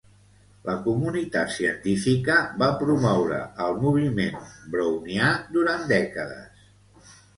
La comunitat científica va promoure el moviment brownià durant dècades.